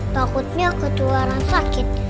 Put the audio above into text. takutnya ketuaran sakit